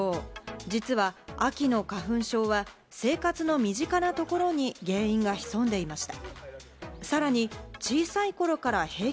実は秋の花粉症は、生活の身近なところに原因が潜んでいました。